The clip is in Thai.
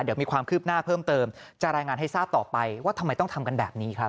เดี๋ยวมีความคืบหน้าเพิ่มเติมจะรายงานให้ทราบต่อไปว่าทำไมต้องทำกันแบบนี้ครับ